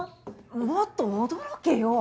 もっと驚けよ。